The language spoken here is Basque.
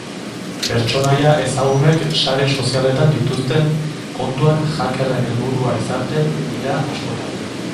Pertsonaia ezagunek sare sozialetan dituzten kontuak hackerren helburua izaten dira askotan.